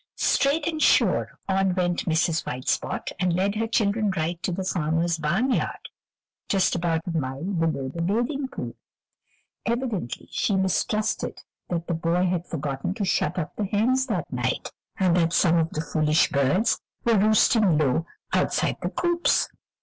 Straight and sure, on went Mrs. White Spot, and led her children right to the farmer's barn yard, just about a mile below the bathing pool. Evidently she mistrusted that the boy had forgotten to shut up the hens that night, and that some of the foolish birds were roosting low outside the coops.